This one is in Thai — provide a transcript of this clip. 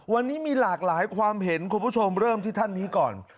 วันนี้มีหลากหลายความเห็นคุณผู้ชมเริ่มที่ท่านนี้ก่อน